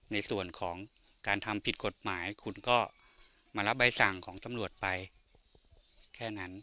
ในส่วนของการทำผิดกฎหมายคุณก็มารับใบสั่งของตำรวจไปแค่นั้น